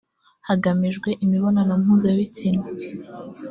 hagamijwe imibonano mpuzabitsina